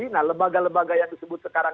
nah lembaga lembaga yang disebut sekarang